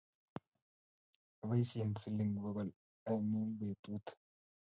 Aboisien siling bokol oeng' eng' betu